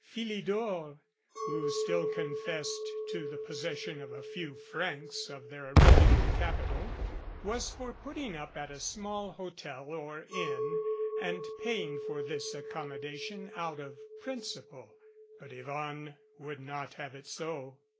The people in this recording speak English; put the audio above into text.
Philidor, who still confessed to the possession of a few francs of their original capital, was for putting up at a small hotel or inn and paying for this accommodation out of principal. But Yvonne would not have it so.